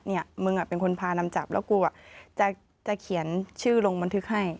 มึงเป็นคนพานำจับแล้วกูจะเขียนชื่อลงบันทึกให้